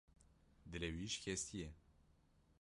Dilê wî şikestî ye.